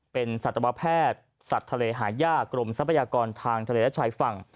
เป็นสัตวแพทย์สัตว์ทะเลหายากกรมทรัพยากรทางทะเลและชายฝั่ง